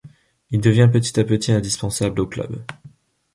Il devient petit à petit indispensable au club.